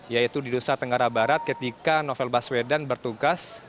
yaitu di nusa tenggara barat ketika novel baswedan bertugas